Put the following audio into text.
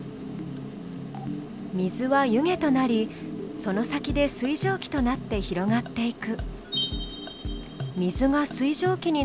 水は湯気となりその先で水蒸気となって広がっていく。